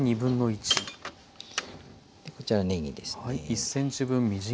こちらねぎですね。